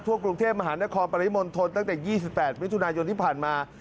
ทั่วกรุงเทพฯมหานครปริมนธนตั้งแต่๒๘วิทยุทุนายนที่ผ่านมา